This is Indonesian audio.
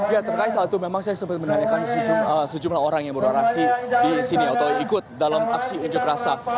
ya terkait hal itu memang saya sempat menanyakan sejumlah orang yang berorasi di sini atau ikut dalam aksi unjuk rasa